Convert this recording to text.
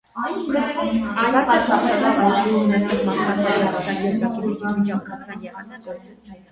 Բարձր ֆունկցիոնալ աուտիզմ ունեցող մարդկանց աջակցության եզակի միջամտության եղանակ գոյություն չունի։